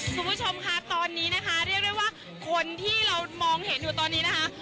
คุณผู้ชมค่ะตอนนี้นะคะเรียกได้ว่าคนที่เรามองเห็นอยู่ตอนนี้นะคะ